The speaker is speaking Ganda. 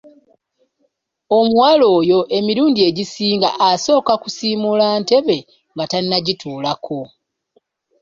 Omuwala oyo emirundi egisinga asooka kusiimuula ntebe nga tannagituulako.